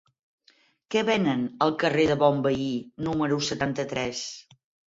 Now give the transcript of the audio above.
Què venen al carrer de Bonveí número setanta-tres?